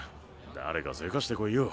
誰かせかしてこいよ。